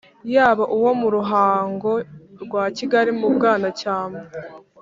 yaba uwo mu ruhango rwa kigali mu bwanacyambwe,